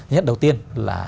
nhất đầu tiên là